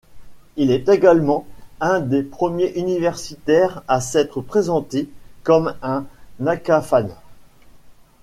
Il est également un des premiers universitaires à s'être présenté comme un aca-fan.